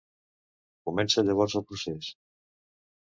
Comença llavors el procés.